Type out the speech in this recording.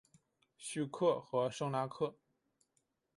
叙克和圣纳克。